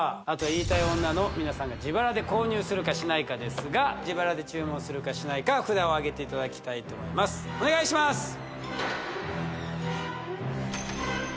あとは言いたい女の皆さんが自腹で購入するかしないかですが自腹で注文するかしないか札をあげていただきたいと思いますお願いします